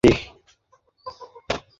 আরে ওটা আমার জন্য না, পণ্ডিত জি!